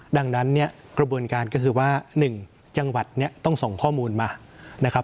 ดังนั้นเนี่ยกระบวนการก็คือว่า๑จังหวัดเนี่ยต้องส่งข้อมูลมานะครับ